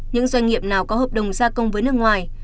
những doanh nghiệp nào có hợp đồng gia công với nước ngoài